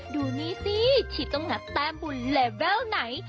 ดูนี่สิที่ต้องงัดแต้มบุญเลเวลไหน